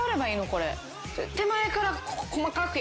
これ。